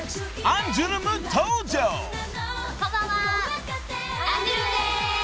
アンジュルムです。